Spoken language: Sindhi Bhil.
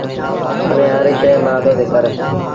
هآڻي هر شئي مآݩ اڌو اد ڪر